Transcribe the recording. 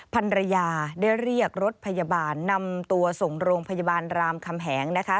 ภรรยาได้เรียกรถพยาบาลนำตัวส่งโรงพยาบาลรามคำแหงนะคะ